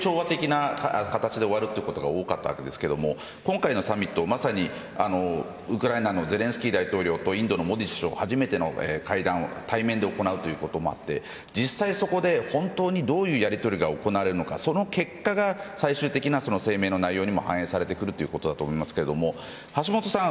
調和的な形で終わることが多かったわけですけど今回のサミットはウクライナのゼレンスキー大統領とインドのモディ首相が初めての会談を対面で行うということもあってそこでどういうやりとりが行われるのかその結果が最終的な声明の内容にも反映されてくるということですけど橋下さん